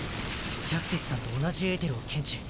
ジャスティスさんと同じエーテルを検知。